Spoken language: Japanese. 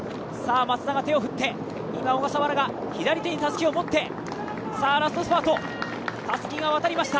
松田が手を持って、小笠原が左手にたすきを持って、たすきが渡りました。